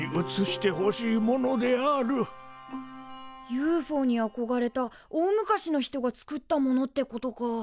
ＵＦＯにあこがれた大昔の人が作ったものってことかあ。